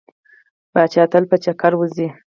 پاچا تل په چکر وځي.